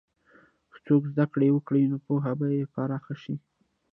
که څوک زده کړه وکړي، نو پوهه به پراخه شي.